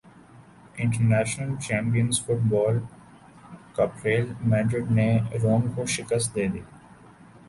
international champions football cup Real Madrid نے روما کو شکست دیدی